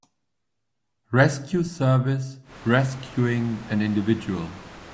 Rescue service rescuing an individual.